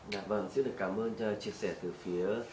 dạ vâng rất là cảm ơn cho chia sẻ từ phía